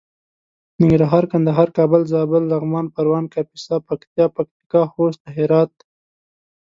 ننګرهار کندهار کابل زابل لغمان پروان کاپيسا پکتيا پکتيکا خوست هرات